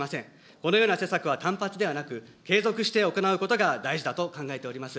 このような施策は単発ではなく、継続して行うことが大事だと考えております。